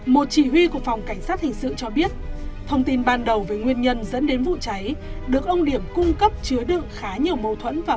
một chỉ huy của phòng cảnh sát hình sự cho biết thông tin ban đầu về nguyên nhân dẫn đến vụ cháy được ông điểm cung cấp chứa đựng khá nhiều mâu thuẫn